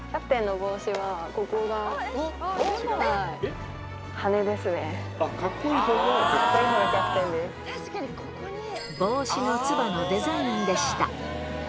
帽子のつばのデザインでした。